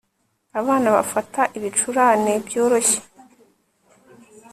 Abana bafata ibicurane byoroshye